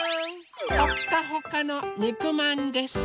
ほっかほかのにくまんです！